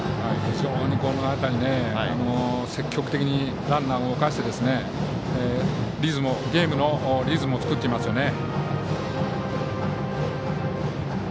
非常に積極的にランナーを動かしてゲームのリズムを作っていますね。